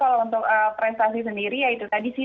kalau untuk prestasi sendiri ya itu tadi sih